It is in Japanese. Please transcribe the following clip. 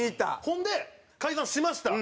ほんで解散しました。